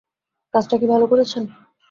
কাজটা কি ভালো করেছেন?